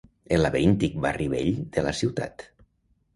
El laberíntic barri vell de la ciutat.